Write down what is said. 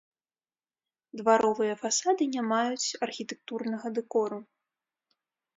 Дваровыя фасады не маюць архітэктурнага дэкору.